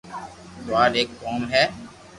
لوھار ايڪ قوم ھي